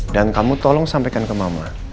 dan kamu tolong sampaikan ke mama